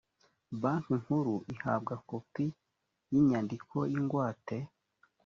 banki nkuru ihabwa kopi y ‘inyandiko yingwate.